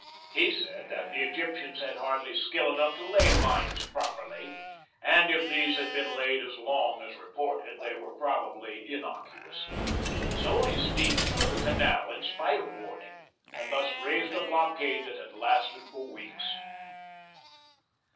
He said that the Egyptians had hardly skill enough to lay mines properly, and if these had been laid as long as reported they were probably innocuous. So he steamed through the 200 GEORGE DEWEY canal in spite of warning, and thus raised a blockade that had lasted for weeks.